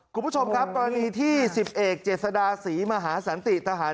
คุณผู้ชมครับตอนนี้ที่๑๑เจษฎาศรีมหาศัลย์ติตทหาร